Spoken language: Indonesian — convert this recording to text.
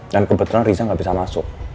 dan kebetulan riza gak bisa masuk